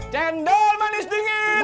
cendol manis dingin